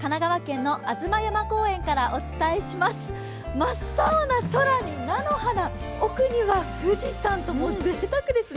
真っ青な空に菜の花、奥には富士山とぜいたくですね。